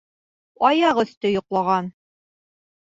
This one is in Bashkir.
Аяғөҫтө йоҡлаған.